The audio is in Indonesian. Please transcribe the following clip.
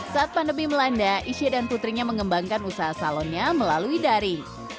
saat pandemi melanda isya dan putrinya mengembangkan usaha salonnya melalui dari